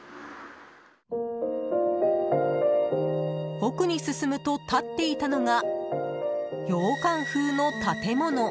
奥に進むと立っていたのが洋館風の建物。